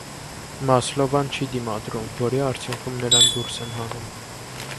Մասլովան չի դիմադրում, որի արդյունքում նրան դուրս են հանում։